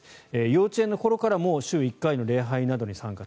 幼稚園の頃からもう週１回の礼拝などに参加。